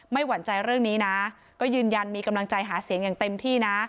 หวั่นใจเรื่องนี้นะก็ยืนยันมีกำลังใจหาเสียงอย่างเต็มที่นะ